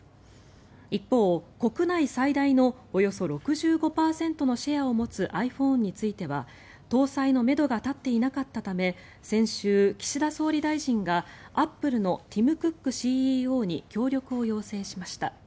一方、国内最大のおよそ６５％のシェアを持つｉＰｈｏｎｅについては搭載のめどが立っていなかったため先週、岸田総理大臣がアップルのティム・クックＣＥＯに協力を要請しました。